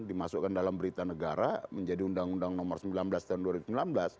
dimasukkan dalam berita negara menjadi undang undang nomor sembilan belas tahun dua ribu sembilan belas